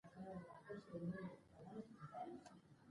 قانون د مشروع عمل بنسټ دی.